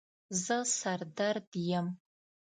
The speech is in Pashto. زه سر درد یم